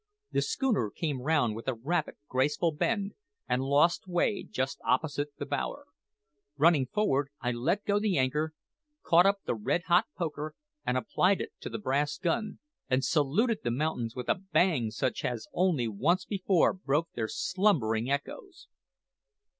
The schooner came round with a rapid, graceful bend, and lost way just opposite the bower. Running forward, I let go the anchor, caught up the red hot poker, applied it to the brass gun, and saluted the mountains with a bang such as had only once before broke their slumbering echoes!